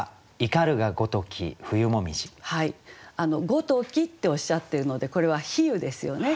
「ごとき」っておっしゃってるのでこれは比喩ですよね。